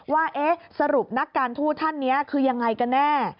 ว่าสรุปนักการทูตท่านนี้คือยังไงกันแน่